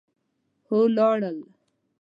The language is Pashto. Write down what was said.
هغوی لاړل